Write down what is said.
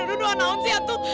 itu doa naun sih atuh